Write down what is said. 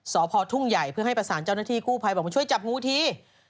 สพทุ่งใหญ่เพื่อให้ประสานเจ้าหน้าที่กู้ภัยบอกมาช่วยจับงูที